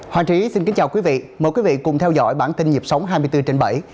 hoàng trí xin kính chào quý vị mời quý vị cùng theo dõi bản tin nhịp sống hai mươi bốn trên bảy